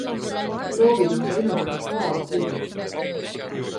Proovid on käinud juba paar kuud.